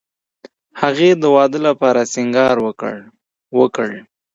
هغې د واده لپاره سینګار وکړ